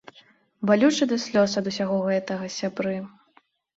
Балюча да слёз ад усяго гэтага, сябры.